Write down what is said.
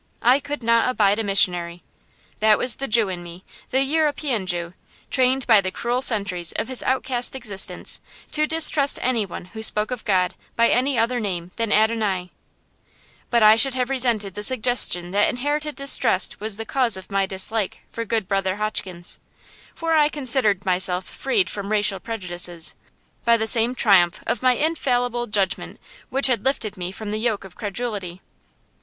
I could not abide a missionary. That was the Jew in me, the European Jew, trained by the cruel centuries of his outcast existence to distrust any one who spoke of God by any other name than Adonai. But I should have resented the suggestion that inherited distrust was the cause of my dislike for good Brother Hotchkins; for I considered myself freed from racial prejudices, by the same triumph of my infallible judgment which had lifted from me the yoke of credulity.